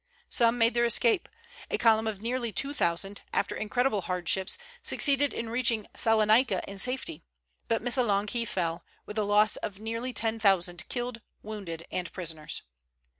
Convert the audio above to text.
Some made their escape. A column of nearly two thousand, after incredible hardships, succeeded in reaching Salonica in safety; but Missolonghi fell, with the loss of nearly ten thousand, killed, wounded, and prisoners.